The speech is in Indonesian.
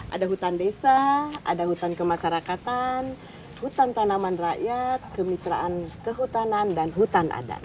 ada hutan desa ada hutan kemasyarakatan hutan tanaman rakyat kemitraan kehutanan dan hutan adat